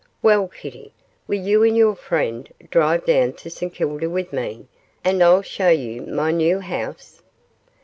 Well, Kitty, will you and your friend drive down to St Kilda with me, and I'll show you my new house?